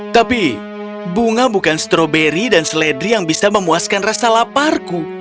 tapi bunga bukan stroberi dan seledri yang bisa memuaskan rasa laparku